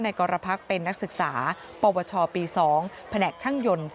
กรพักเป็นนักศึกษาปวชปี๒แผนกช่างยนต์